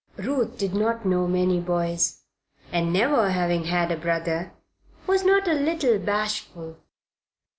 Ruth did not know many boys and, never having had a brother, was not a little bashful.